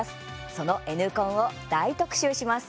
その「Ｎコン」を大特集します。